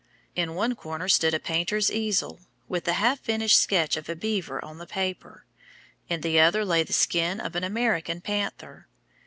In one corner stood a painter's easel, with the half finished sketch of a beaver on the paper; in the other lay the skin of an American panther.